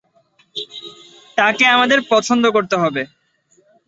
তাকে আমাদের পছন্দ করতে হবে।